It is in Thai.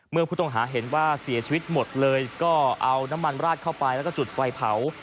เมื่อผู้ต้องหาเห็นว่าเสียชีวิตหมดเลยก็เอาน้ำมันราดเข้าไปแล้วก็จุดไฟเผา